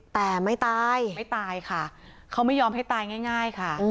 แต่ไม่ตายไม่ตายค่ะเขาไม่ยอมให้ตายง่ายค่ะ